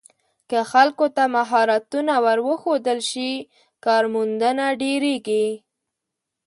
که خلکو ته مهارتونه ور وښودل شي، کارموندنه ډېریږي.